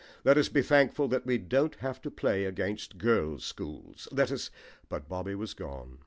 Let us be thankful that we don't have to play against girls' schools. Let us " But Bobby was gone.